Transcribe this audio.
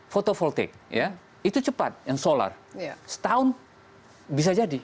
photovoltaic itu cepat yang solar setahun bisa jadi